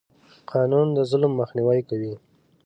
قانون د ظلم مخنیوی کوي.